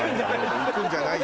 行くんじゃないよ